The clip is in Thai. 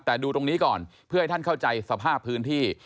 แต่ดูตรงนี้ก่อนเพื่อให้ท่านเข้าใจสภาพพื้นที่